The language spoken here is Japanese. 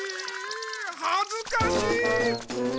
はずかしい！